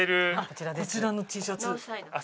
こちらのＴシャツ。